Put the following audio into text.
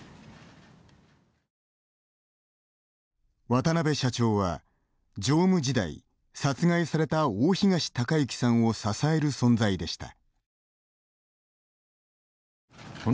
渡邊社長は、常務時代殺害された大東隆行さんを支える存在でした。